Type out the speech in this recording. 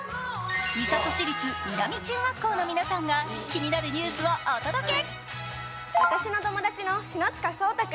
三郷市立南中学校の皆さんが気になるニュースをお届け。